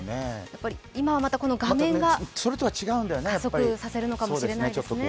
やっぱり、今はまた画面が加速させるのかもしれないですね。